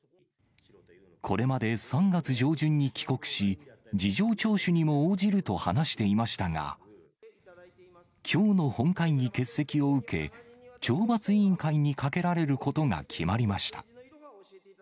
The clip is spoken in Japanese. これまで３月上旬に帰国し、事情聴取にも応じると話していましたが、きょうの本会議欠席を受け、懲罰委員会にかけられることが決まりました。